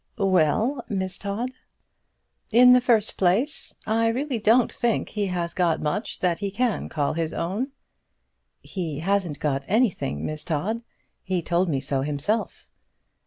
"Well, Miss Todd." "In the first place, I really don't think he has got much that he can call his own." "He hasn't got anything, Miss Todd; he told me so himself."